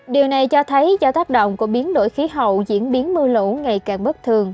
điều này cho thấy do tác động của biến đổi khí hậu diễn biến mưa lũ ngày càng bất thường